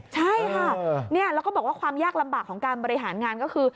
ใช่ค่ะแล้วก็บอกว่าความยากลำบากของการบริหารงานก็คือ